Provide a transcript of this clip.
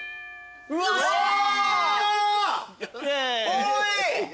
おい！